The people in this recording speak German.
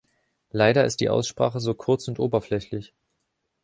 Leider ist die Aussprache so kurz und oberflächlich.